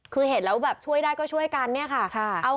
คือเห็นแล้วช่วยได้ก็ช่วยกันนะครับ